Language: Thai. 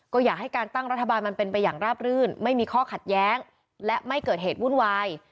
ก็อยากให้การตั้งรัฐบาลมันเป็นไปอย่างราบรื่นไม่มีข้อขัดแย้งและไม่เกิดเหตุวุ่นวาย